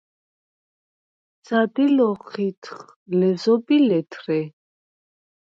სადილ ოხჴიდხ – ლეზობ ი ლეთრე.